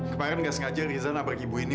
kemarin gak sengaja riza nabrak ibu ini